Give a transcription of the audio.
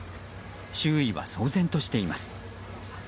周囲は騒然としています。